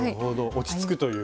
落ち着くという。